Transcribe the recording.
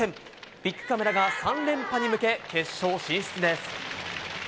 ビックカメラが３連覇に向け決勝進出です。